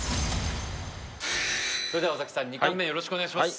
それでは尾崎さん２貫目よろしくお願いします